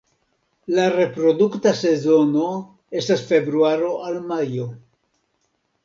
La reprodukta sezono estas februaro al majo.